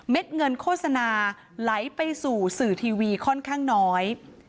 เงินโฆษณาไหลไปสู่สื่อทีวีค่อนข้างน้อย